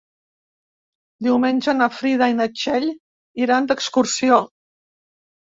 Diumenge na Frida i na Txell iran d'excursió.